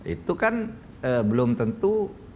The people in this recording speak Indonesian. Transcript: itu kan belum tentu